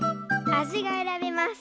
あじがえらべます。